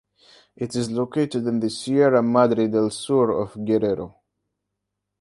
It is located in the Sierra Madre del Sur of Guerrero.